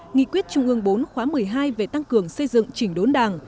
nghị quyết trung ương bốn khóa một mươi hai về tăng cường xây dựng chỉnh đốn đảng